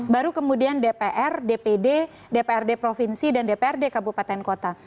baru kemudian dpr dpd dprd provinsi dan dprd kabupaten kota